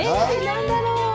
何だろう？